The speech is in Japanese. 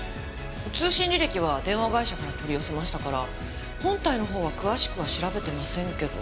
通信履歴は電話会社から取り寄せましたから本体の方は詳しくは調べてませんけど。